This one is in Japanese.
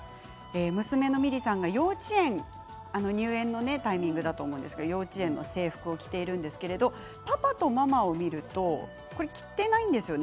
娘のミリさんが幼稚園の入園のタイミングだと思うんですが幼稚園の制服を着ているんですけれどパパとママを見ると着ていないんですよね。